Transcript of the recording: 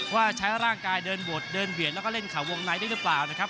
ว่าใช้ร่างกายเดินบดเดินเหวี่ยงแล้วก็เล่นข่าววงในได้หรือเปล่านะครับ